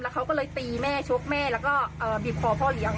เขาก็เลยตีแม่ชกแม่แล้วก็บีบคอพ่อเลี้ยง